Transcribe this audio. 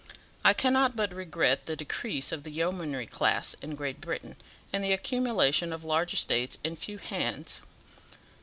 I cannot but regret the decrease of the yeomanry class in Great Britain, and the accumulation of large estates in few hands.